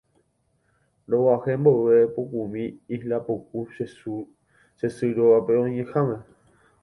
Rog̃uahẽ mboyve pukumi Isla puku che sy róga oĩháme